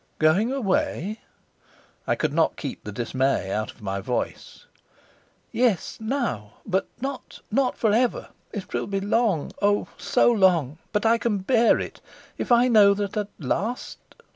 "Going away!" I could not keep the dismay out of my voice. "Yes, now. But not not for ever. It will be long oh, so long but I can bear it, if I know that at last!"